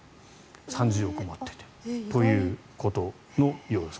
３０億持ってても。ということのようです。